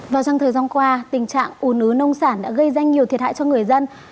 vào trong thời gian qua tình trạng un ứ nông sản đã gây danh nhiều thiệt hại cho người dân